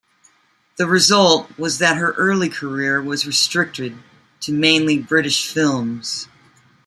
The result was that her early career was restricted to mainly British films.